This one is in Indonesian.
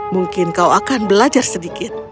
mungkin kau akan belajar sedikit